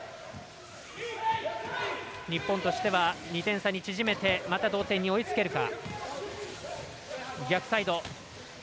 日本としては２点差に縮めてまた同点に追いつけるか。